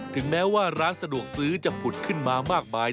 ถึงแม้ว่าร้านสะดวกซื้อจะผุดขึ้นมามากมาย